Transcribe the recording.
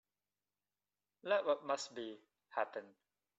Let what must be, happen.